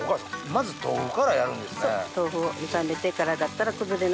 まず豆腐からやるんですね。